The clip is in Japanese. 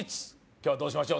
今日はどうしましょう？